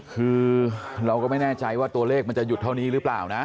คือเราก็ไม่แน่ใจว่าตัวเลขมันจะหยุดเท่านี้หรือเปล่านะ